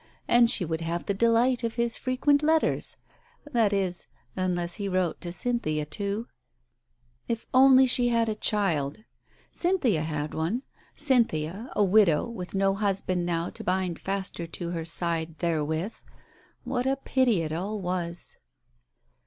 And she would have the delight of his frequent letters. That is, unless he wrote to Cynthia too? If only she had had a child ! Cynthia had one, Digitized by Google 78 TALES OF THE UNEASY Cynthia, a widow, with no husband now to bind faster to her side therewith ! What a pity it all was